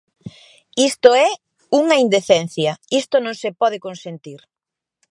Isto é unha indecencia, isto non se pode consentir.